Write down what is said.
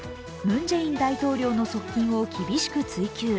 ムン・ジェイン大統領の側近を厳しく追及。